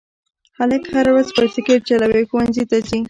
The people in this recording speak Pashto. هلک هره ورځ بایسکل چلوي او ښوونځي ته ځي